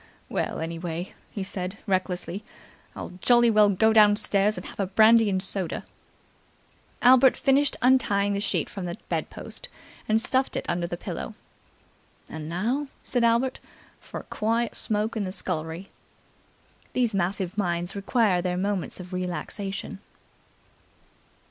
"Well, anyway," he said recklessly, "I'll jolly well go downstairs and have a brandy and soda!" Albert finished untying the sheet from the bedpost, and stuffed it under the pillow. "And now," said Albert, "for a quiet smoke in the scullery." These massive minds require their moments of relaxation.